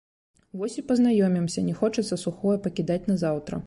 Вось і познімся, не хочацца сухое пакідаць на заўтра!